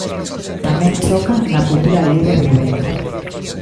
Tamén chocan na futura lei de vivenda.